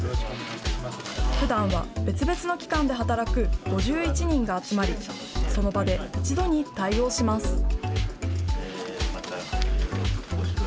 ふだんは別々の機関で働く５１人が集まり、その場で一度に対応します。